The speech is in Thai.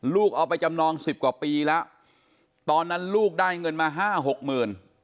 ลูกเอาไปจำนองสิบกว่าปีแล้วตอนนั้นลูกได้เงินมาห้าหกหมื่น